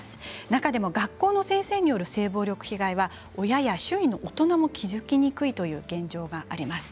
中でも、学校の先生による性暴力被害は親や周囲の大人も気付きにくいという現状があります。